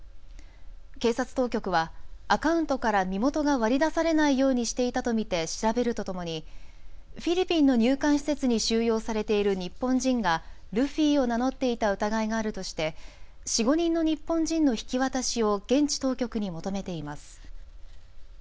警察当局はアカウントから身元が割り出されないようにしていたと見て調べるとともにフィリピンの入管施設に収容されている日本人がルフィを名乗っていた疑いがあるとして４、５人の日本人の引き渡しを現地当局に求めています。